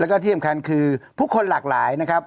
แล้วก็ที่สำคัญคือผู้คนหลากหลายนะครับ